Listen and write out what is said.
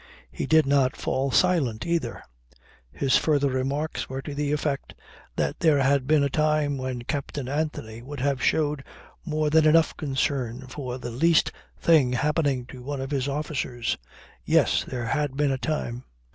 He did not fall silent either. His further remarks were to the effect that there had been a time when Captain Anthony would have showed more than enough concern for the least thing happening to one of his officers. Yes, there had been a time!